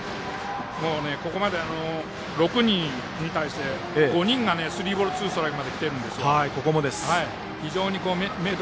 ここまで６人に対して５人がスリーボールツーストライクまできているんです。